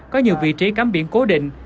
có nhiều vị trí cắm biển cố định